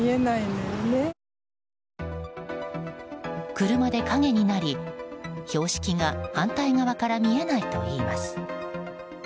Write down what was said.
車で陰になり、標識が反対側から見えないといいます。